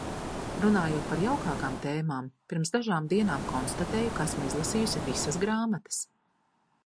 Runājot par jaukākām tēmām, pirms dažām dienām konstatēju, ka esmu izlasījusi visas grāmatas.